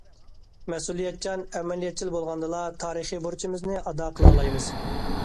مەسئۇلىيەتچان، ئەمەلىيەتچىل بولغاندىلا، تارىخىي بۇرچىمىزنى ئادا قىلالايمىز.